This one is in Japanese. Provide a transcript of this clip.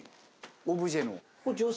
オブジェの。